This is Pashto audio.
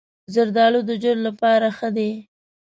زردالو د جلد لپاره ښه دی.